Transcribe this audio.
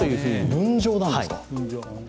分譲なんですか。